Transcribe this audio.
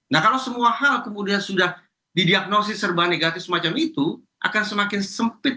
nah kalau semua hal kemudian sudah didiagnosis serba negatif semacam itu akan semakin sempit